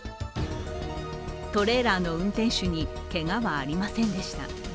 トレーラーの運転手にけがはありませんでした。